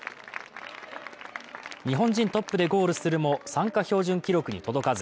日本人トップでゴールするも参加標準記録に届かず。